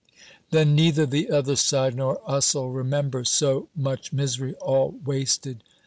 "Then neither the other side nor us'll remember! So much misery all wasted!"